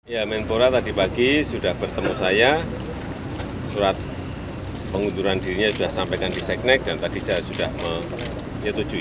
ya menpora tadi pagi sudah bertemu saya surat pengunduran dirinya sudah sampaikan di seknek dan tadi saya sudah menyetujui